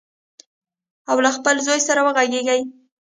او له خپل زوی سره وغږیږي.